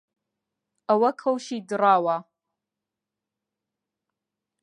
ئەوە کەوشی دڕاوە